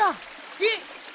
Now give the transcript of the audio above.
えっ！？